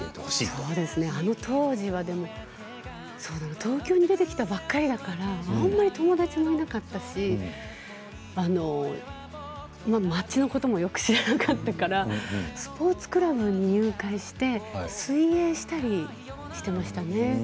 あの当時は東京に出てきたばかりだからそんなに友達もいなかったし街のこともよく知らなかったからスポーツクラブに入会して水泳をしたりしていましたね。